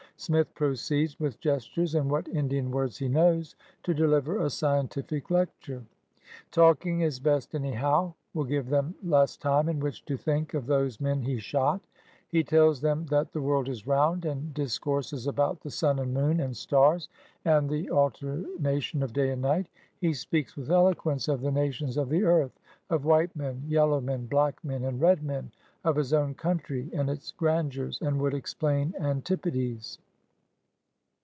Smith proceeds, with gestures and what Indian words he knows, to deliver a scientific lecture. Talking is best anyhow, will give them less time in which to think of those men he shot. He tells them that the world is roimd, and dis courses about the sim and moon and stars and the JOHN SMITH 4S alternation of day and night. He speaks with eloquence of the nations of the earth, of white men, yellow men, black men, and red men, of his own country and its grandeurs, and would explain antipodes.